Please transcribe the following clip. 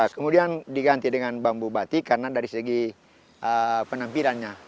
kemudian diganti dengan bambu batik karena dari segi penampilannya